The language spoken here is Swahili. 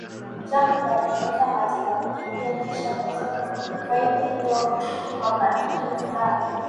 Jacob alimeza mate na kutulia kisha kusoma faili hilo kwa makini sana